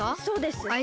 そうです。